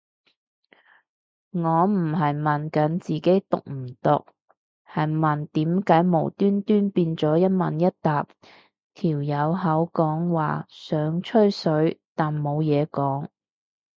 我唔係問緊自己毒唔毒，係問點解無端端變咗一問一答，條友口講話想吹水但冇嘢講